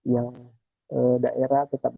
yang daerah tetap